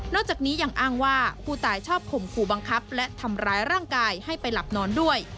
จากนี้ยังอ้างว่าผู้ตายชอบข่มขู่บังคับและทำร้ายร่างกายให้ไปหลับนอนด้วย